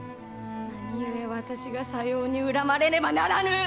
何故私がさように恨まれねばならぬ！